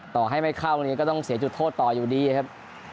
ต่อให้ไม่เข้าเนี่ยก็ต้องเสียจุดโทษต่ออยู่ดีครับ